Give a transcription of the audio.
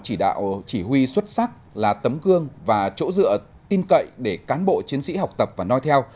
chỉ đạo chỉ huy xuất sắc là tấm gương và chỗ dựa tin cậy để cán bộ chiến sĩ học tập và nói theo